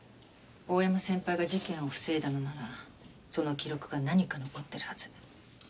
大山先輩が事件を防いだのならその記録が何か残ってるはず。